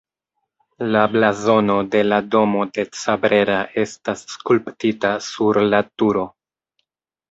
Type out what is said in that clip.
La blazono de la Domo de Cabrera estas skulptita sur la turo.